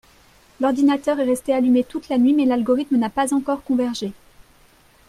L'ordinateur est resté allumé toute la nuit mais l'algorithme n'a pas encore convergé